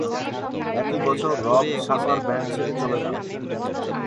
একই বছর Rob Shaffer band ছেড়ে চলে যান।